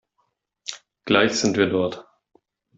Gleich sind wir dort.